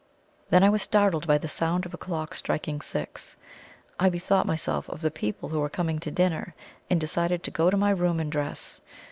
Then I was startled by the sound of a clock striking six. I bethought myself of the people who were coming to dinner, and decided to go to my room and dress.